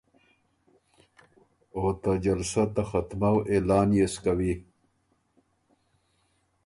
او ته جلسۀ ته ختمؤ اعلان يې سو کوی۔